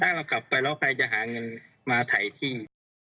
ถ้าเรากลับไปแล้วใครจะหาเงินมาถ่ายที่